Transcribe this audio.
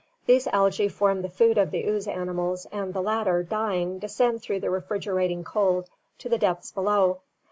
These algae form the food of the ooze animals and the latter, dying, descend through the refrigerating cold to the depths below.